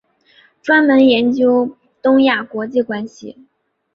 专门研究东亚国际关系。